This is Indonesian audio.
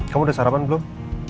kamu udah sarapan belum